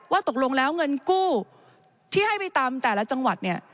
ตกลงแล้วเงินกู้ที่ให้ไปตามแต่ละจังหวัดเนี่ย